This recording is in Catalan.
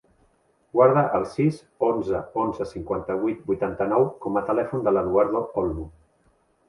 Guarda el sis, onze, onze, cinquanta-vuit, vuitanta-nou com a telèfon de l'Eduardo Olmo.